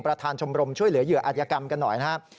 ชมรมช่วยเหลือเหยื่ออัธยกรรมกันหน่อยนะครับ